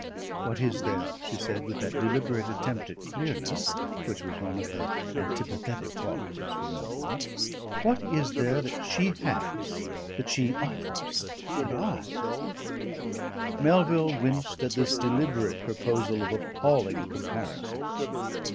"What is there," she said, with that deliberate attempt at clearness which was one of her antipathetic qualities for Melville "what is there that she has, that she offers, that I ?" Melville winced at this deliberate proposal of appalling comparisons.